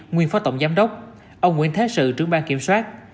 nguyên phó tổng giám đốc ông nguyễn thái sự trưởng ban kiểm soát